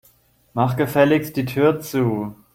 Mach gefälligst die Tür zu.